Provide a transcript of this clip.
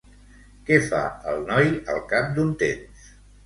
Què fa el noi al cap d'un temps?